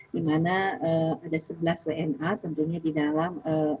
di mana ada sebelas wna tentunya di dalam enam puluh delapan